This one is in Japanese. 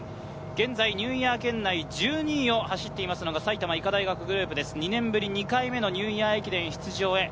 現在ニューイヤー圏内１２位を走っていますのが埼玉医科大学グループ、２年ぶり２回ぶりニューイヤー駅伝出場へ。